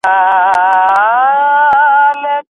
ځوانانو خپلو سياسي جريانونو ته د منطق او شعور په سترګه وګورئ.